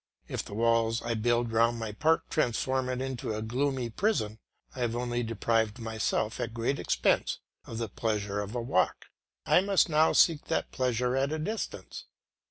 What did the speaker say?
If the walls I build round my park transform it into a gloomy prison, I have only deprived myself, at great expense, of the pleasure of a walk; I must now seek that pleasure at a distance.